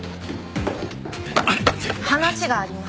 話があります。